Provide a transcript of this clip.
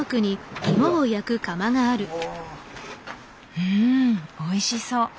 うんおいしそう。